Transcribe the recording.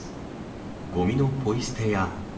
ごみのぽい捨てや。